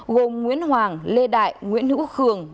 gồm nguyễn hoàng lê đại nguyễn hữu khường